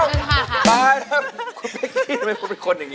ตายเดียวพี่เป๊กกี้มาเป็นคนนึง